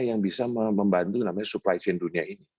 yang bisa membantu namanya supply chain dunia ini